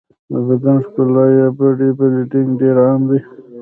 د بدن ښکلا یا باډي بلډینګ ډېر عام دی.